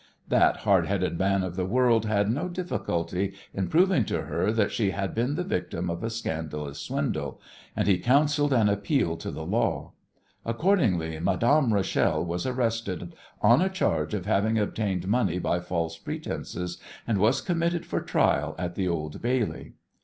That hardheaded man of the world had no difficulty in proving to her that she had been the victim of a scandalous swindle, and he counselled an appeal to the law. Accordingly Madame Rachel was arrested on a charge of having obtained money by false pretences, and was committed for trial at the Old Bailey.